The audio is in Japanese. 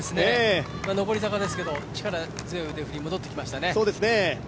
上り坂ですけど、力強い腕振りが戻ってきましたね。